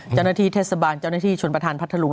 เจ้าหน้าที่เทศบาลเจ้าหน้าที่ชนประธานพัทธรุง